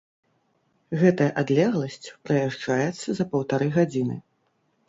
Гэтая адлегласць праязджаецца за паўтары гадзіны.